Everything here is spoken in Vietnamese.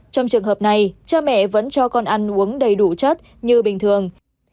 trong trường hợp này cha mẹ vẫn cho con ăn uống đầy đủ chất như bình thường